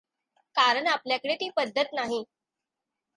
कारण आपल्याकडे ती पद्धत नाही.